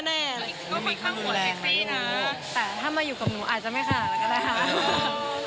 ก็ค่อยข้างหัวแฮปปี้นะแต่ถ้ามาอยู่กับหนูอาจจะไม่ค่าอะไรก็ได้ครับ